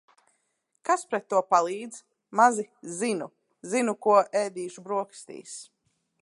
Kas pret to palīdz? Mazi "zinu". Zinu, ko ēdīšu brokastīs.